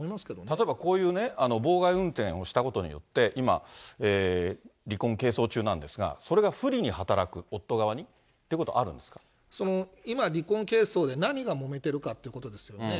例えばこういうね、妨害運転をしたことによって、今、離婚係争中なんですが、それが不利に働く、夫側に、今、離婚係争で何がもめてるかってことですよね。